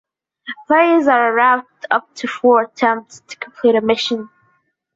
Players are allowed up to four attempts to complete a mission.